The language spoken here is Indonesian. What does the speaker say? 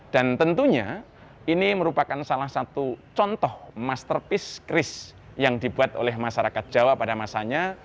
dan tentunya ini merupakan salah satu contoh masterpiece keris yang dibuat oleh masyarakat jawa pada masanya